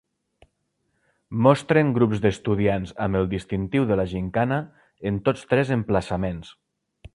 Mostren grups d'estudiants amb el distintiu de la gimcana en tots tres emplaçaments.